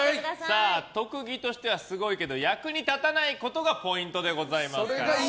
特技としてはすごいけど役に立たないことがポイントでございます。